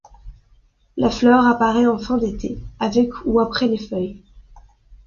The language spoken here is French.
La fleur apparaît en fin d'été, avec ou après les feuilles.